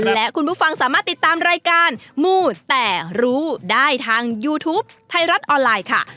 และคุณผู้ฟังสามารถติดตามรายการมูแต่รู้ได้ทางยูทูปไทยรัฐออนไลน์ค่ะ